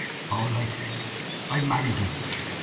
"All right. I've—married you.